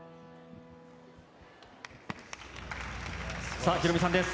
さあ、ヒロミさんです。